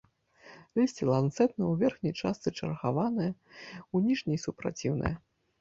Лісце ланцэтнае, у верхняй частцы чаргаванае, у ніжняй супраціўнае.